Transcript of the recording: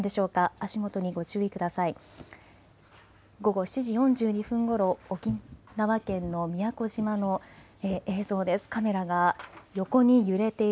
足元にご注意ください。